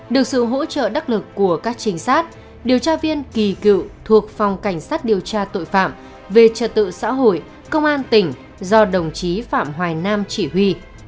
được sự hỗ trợ đắc lực của các trinh sát điều tra viên kỳ cựu thuộc phòng cảnh sát điều tra tội phạm về trật tự xã hội công an tỉnh do đồng chí phạm hoài nam chỉ huy